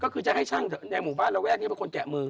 ก็คือจะให้ช่างในหมู่บ้านระแวกนี้เป็นคนแกะมือ